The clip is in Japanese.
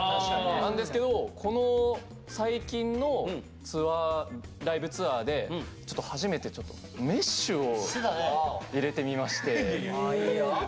なんですけどこの最近のツアーライブツアーでちょっと初めてちょっとメッシュを入れてみまして。